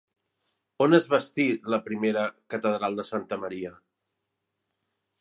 On es bastí la primera catedral de Santa Maria?